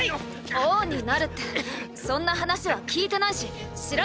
王になるってそんな話は聞いてないし知らないよ。